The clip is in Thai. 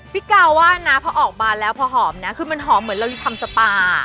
พี่กาวว่านะพอออกมาแล้วพอหอมนะคือมันหอมเหมือนเราทำสปา